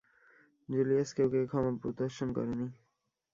Julius কেউকে ক্ষমা প্রদর্শন করেনি।